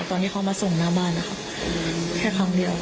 ตอนที่เขามาส่งหน้าบ้านนะครับแค่ครั้งเดียว